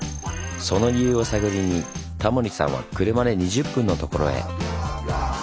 その理由を探りにタモリさんは車で２０分のところへ。